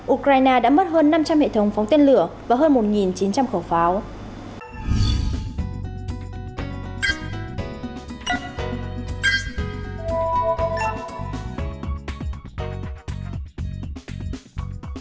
ukraine đã mất hơn năm trăm linh hệ thống phóng tên lửa và hơn một chín trăm linh khẩu pháo